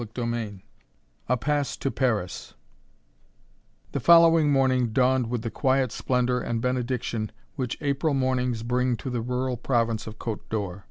] CHAPTER II A Pass to Paris 1 The following morning dawned with the quiet splendor and benediction which April mornings bring to the rural province of Cote d'Or.